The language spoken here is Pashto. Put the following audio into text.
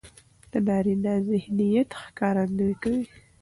د نارينه ذهنيت ښکارندويي کوي.